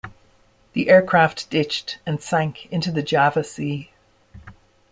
The aircraft ditched and sank into Java sea.